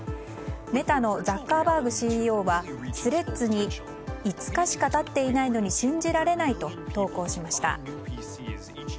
メタのザッカーバーグＣＥＯはスレッズに５日しか経っていないのに信じられないと投稿しました。